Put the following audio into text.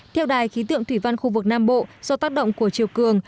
theo đài khí tượng thủy văn khu vực nam bộ do tác động của chiều cường